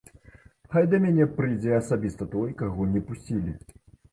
Хай да мяне прыйдзе асабіста той, каго не пусцілі.